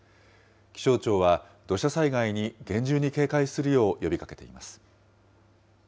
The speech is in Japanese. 気象庁は、土砂災害に厳重に警戒するよう呼びかけています。